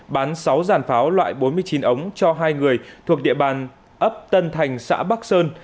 bán sáu giàn pháo loại bốn mươi chín ống cho hai người thuộc địa bàn ấp tân thành xã bắc sơn